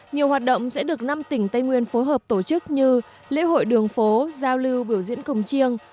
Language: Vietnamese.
nhiều hoạt động sẽ được năm tỉnh tây nguyên phối hợp tổ chức như lễ hội đường phố giao lưu biểu diễn cồng chiêng